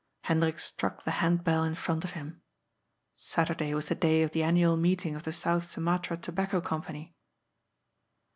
Hendrik struck the handbell in front of him. Saturday was the day of the annual meeting of the South Sumatra Tobacco Company.